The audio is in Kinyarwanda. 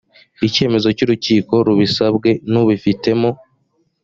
icyemezo cy urukiko rubisabwe n ubifitemo